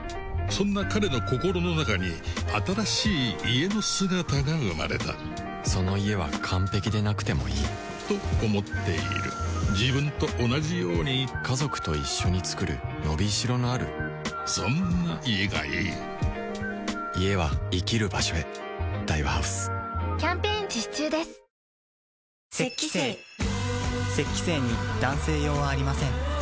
そんな彼の心の中に新しい「家」の姿が生まれたその「家」は完璧でなくてもいいと思っている自分と同じように家族と一緒に作る伸び代のあるそんな「家」がいい家は生きる場所へ雪肌精に男性用はありません